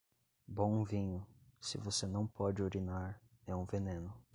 Bom vinho, se você não pode urinar, é um veneno.